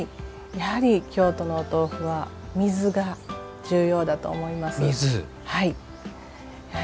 やはり京都のお豆腐は水が重要だと思います。